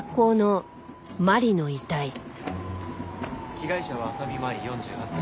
被害者は浅見麻里４８歳。